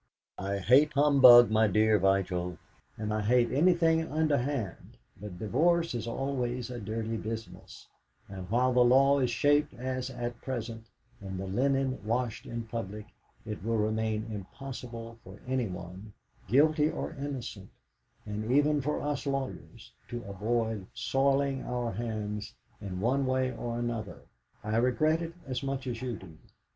I hate humbug, my dear Vigil, and I hate anything underhand, but divorce is always a dirty business, and while the law is shaped as at present, and the linen washed in public, it will remain impossible for anyone, guilty or innocent, and even for us lawyers, to avoid soiling our hands in one way or another. I regret it as much as you do.